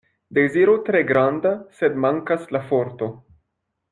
Deziro tre granda, sed mankas la forto.